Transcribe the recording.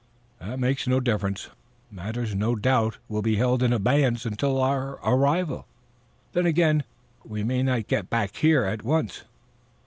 "That makes no difference. Matters no doubt will be held in abeyance until our arrival. Then, again, we may not get back here at once."